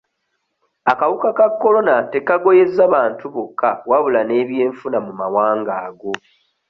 Akawuka ka Corona tekagoyezza bantu bokka wabula n'ebyenfuna mu mawanga ago.